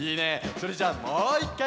それじゃあもういっかいいきますよ！